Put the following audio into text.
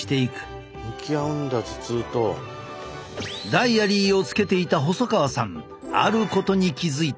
ダイアリーをつけていた細川さんあることに気づいた。